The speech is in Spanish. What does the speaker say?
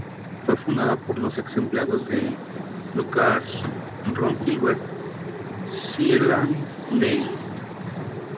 Fue fundada por los ex-empleados de LucasArts Ron Gilbert y Shelley Day.